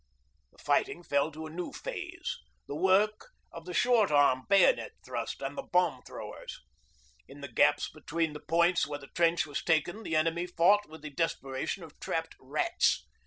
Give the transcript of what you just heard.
The fighting fell to a new phase the work of the short arm bayonet thrust and the bomb throwers. In the gaps between the points where the trench was taken the enemy fought with the desperation of trapped rats.